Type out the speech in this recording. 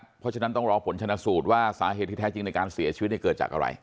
เพราะฉะนั้นต้องรอผลชนะสูตรว่าสาเหตุที่แท้จริงในการเสียชีวิตเกิดจากอะไร